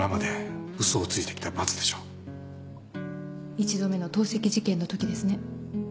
１度目の投石事件のときですね。